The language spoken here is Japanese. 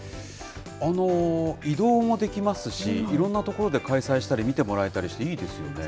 あの、移動もできますし、いろんな所で開催したり、見てもらえたりして、いいですよね。